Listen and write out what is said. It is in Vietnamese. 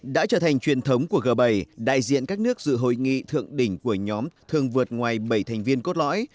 đã trở thành truyền thống của g bảy đại diện các nước dự hội nghị thượng đỉnh của nhóm thường vượt ngoài bảy thành viên cốt lõi